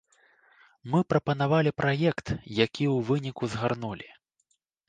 Мы прапанавалі праект, які ў выніку згарнулі.